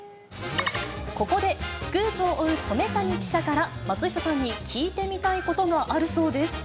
ここでスクープを追う染谷記者から松下さんに聞いてみたいことがあるそうです。